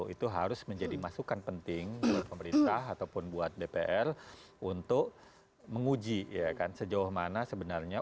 itu harus menjadi masukan penting buat pemerintah ataupun buat dpr untuk menguji sejauh mana sebenarnya